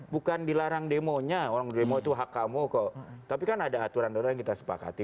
bukan dilarang demonya orang demo tuh hak kamu kok tapi kan ada aturan aturan kita sepak hati